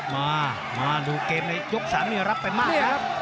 มามาดูเกมในยก๓นี่รับไปมากนะครับ